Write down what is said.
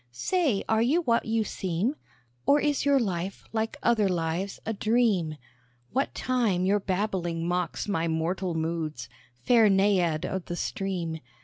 _) Say, are you what you seem? Or is your life, like other lives, a dream? What time your babbling mocks my mortal moods, Fair Naïad of the stream!